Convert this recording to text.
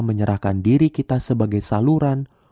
menyerahkan diri kita sebagai saluran